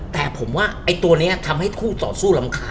แต่ผมว่าตัวนี้ทำให้คู่สู้ลำคา